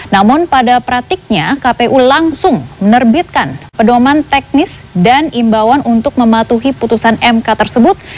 namun pada praktiknya kpu langsung menerbitkan pedoman teknis dan imbauan untuk mematuhi putusan mk tersebut